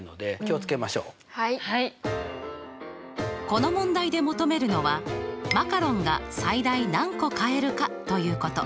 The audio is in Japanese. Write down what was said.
この問題で求めるのはマカロンが最大何個買えるかということ。